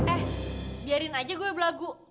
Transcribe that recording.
eh biarin aja gue berlagu